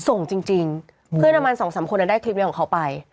ส่งจริงจริงเพื่อนนามันสองสามคนแล้วได้คลิปเนี้ยของเขาไป